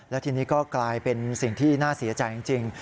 และทีนี้ก็กลายเป็นสิ่งที่น่าเสียใจจริง